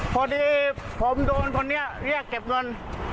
พอดีผมโดนคนนี้เรียกเก็บเงิน